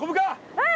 うん。